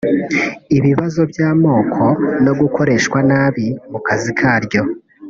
ibibazo by’amoko no gukoreshwa nabi mu kazi karyo